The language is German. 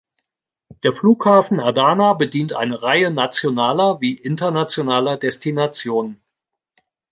Der Flughafen Adana bedient eine Reihe nationaler wie internationaler Destinationen.